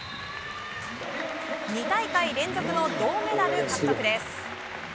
２大会連続の銅メダル獲得です。